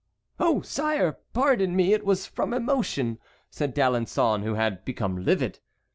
"Oh! sire, pardon me, it was from emotion," said D'Alençon, who had become livid.